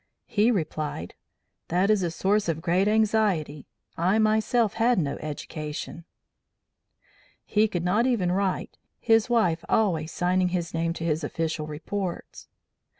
"He replied: 'That is a source of great anxiety; I myself had no education,' (he could not even write, his wife always signing his name to his official reports).